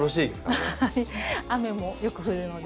雨もよく降るので。